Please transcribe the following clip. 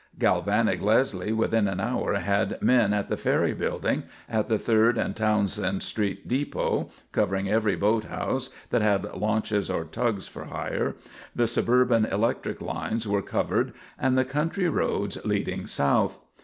Galvanic Leslie, within an hour, had men at the ferry building, at the Third and Townsend Street Depot, covering every boathouse that had launches or tugs for hire; the suburban electric lines were covered and the country roads leading south.